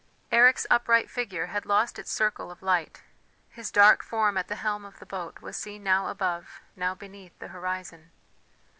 Eric's upright figure had lost its circle of light; his dark form at the helm of the boat was seen now above, now beneath the horizon.